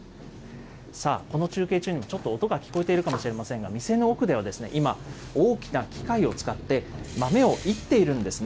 さあ、この中継中にもちょっと音が聴こえているかもしれませんが、店の奥では、今、大きな機械を使って豆をいっているんですね。